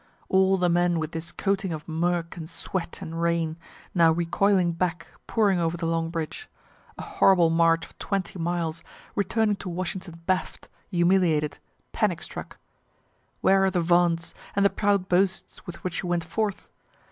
all the men with this coating of murk and sweat and rain, now recoiling back, pouring over the Long Bridge a horrible march of twenty miles, returning to Washington baffed, humiliated, panic struck. Where are the vaunts, and the proud boasts with which you went forth?